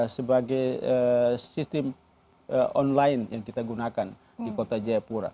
sebagai sistem online yang kita gunakan di kota jayapura